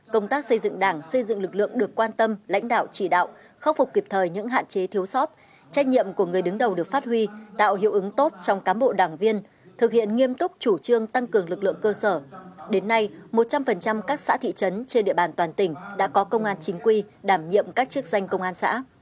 công tác xây dựng đảng xây dựng lực lượng được quan tâm lãnh đạo chỉ đạo khắc phục kịp thời những hạn chế thiếu sót trách nhiệm của người đứng đầu được phát huy tạo hiệu ứng tốt trong cán bộ đảng viên thực hiện nghiêm túc chủ trương tăng cường lực lượng cơ sở đến nay một trăm linh các xã thị trấn trên địa bàn toàn tỉnh đã có công an chính quy đảm nhiệm các chức danh công an xã